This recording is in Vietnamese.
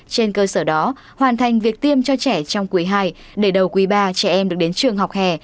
trên cơ sở đó hoàn thành việc tiêm cho trẻ trong quý ii để đầu quý ba trẻ em được đến trường học hè